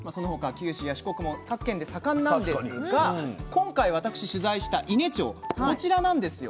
九州や四国も各県で盛んなんですが今回私取材した伊根町こちらなんですよ。